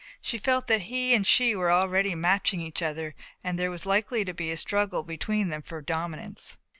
She felt that he and she were already matching each other and there was likely to be a struggle between them for dominance.